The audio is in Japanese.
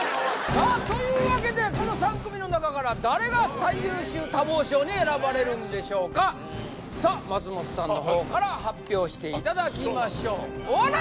さあというわけでこの３組の中から誰が最優秀多忙賞に選ばれるんでしょうかさあ松本さんの方からあっはい発表していただきましょうあっそうなんですね